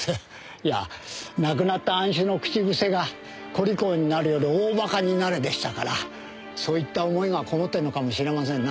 いやぁ亡くなった庵主の口癖が「小利口になるより大馬鹿になれ」でしたからそういった思いがこもってるのかもしれませんな。